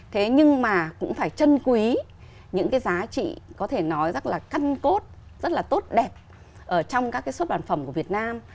thế nhưng mà cũng phải chân quý những cái giá trị có thể nói rất là căn cốt rất là tốt đẹp ở trong các cái xuất bản phẩm của việt nam